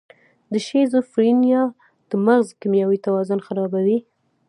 د شیزوفرینیا د مغز کیمیاوي توازن خرابوي.